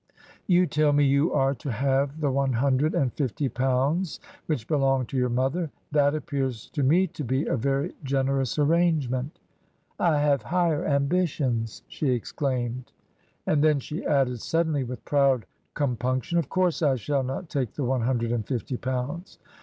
" You tell me you are to have the one hundred and fifty pounds which belonged to your mother. That appears to me to be a very generous arrangement." I have higher ambitions !" she exclaimed. And then she added suddenly, with proud compunc tion —" Of course I shall not take the one hundred and fifty pounds."